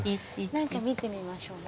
なんか見てみましょう。